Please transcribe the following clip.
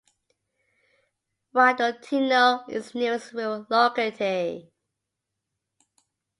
Radutino is the nearest rural locality.